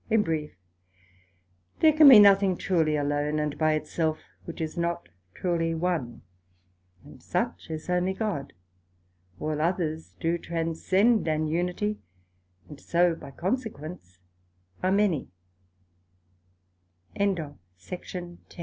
In brief, there can be nothing truly alone and by it self, which is not truly one; and such is only God: All others do transcend an unity, and so by consequenc